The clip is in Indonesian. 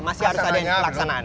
masih harus ada laksanaan